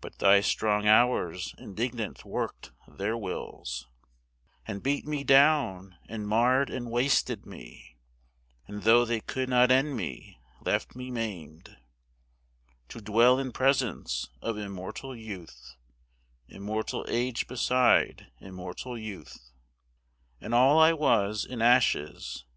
But thy strong Hours indignant work'd their wills, And beat me down and marr'd and wasted me, And tho' they could not end me, left me maim'd To dwell in presence of immortal youth, Immortal age beside immortal youth, And all I was, in ashes.